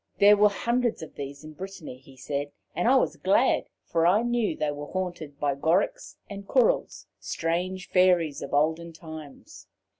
There were hundreds of these in Brittany, he said, and I was glad, for I knew they were haunted by "Gorics" and "Courils" strange Fairies of olden times.